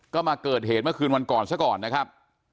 ก็มาเกิดเหตุเมื่อคืนวันก่อนซะก่อนนะครับ